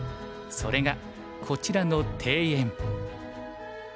それがこちらの庭園。